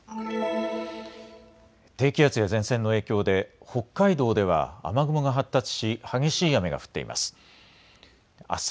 低気圧や前線の影響で北海道では雨雲が発達し激しい雨が降っています。